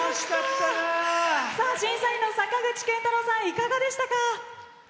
審査員の坂口健太郎さんいかがでしたか？